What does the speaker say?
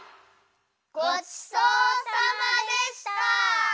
ごちそうさまでした！